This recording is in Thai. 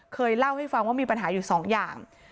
เคยเล่าให้ฟังว่ามีปัญหาอยู่สองอย่าง